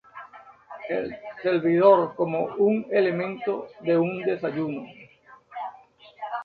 Es servido como un elemento de un desayuno.